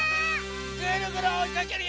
ぐるぐるおいかけるよ！